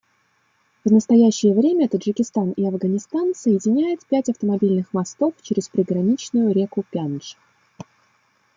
В настоящее время Таджикистан и Афганистан соединяет пять автомобильных мостов через приграничную реку Пяндж.